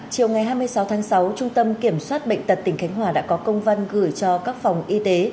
chiều ngày hai mươi sáu tháng sáu trung tâm kiểm soát bệnh tật tỉnh khánh hòa đã có công văn gửi cho các phòng y tế